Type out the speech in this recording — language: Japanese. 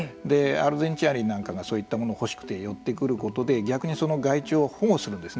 アルゼンチンアリなんかがそういったものを欲しくて寄ってくることで逆に害虫を保護するんです。